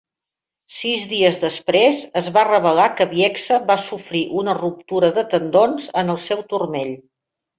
Sis dies després es va revelar que Bieksa va sofrir una ruptura de tendons en el seu turmell.